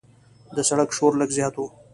د سړک شور لږ زیات و.